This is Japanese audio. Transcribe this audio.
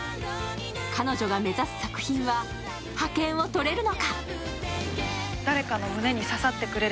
彼女が目指す作品は、ハケンをとれるのか。